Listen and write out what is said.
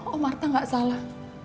om arta gak salah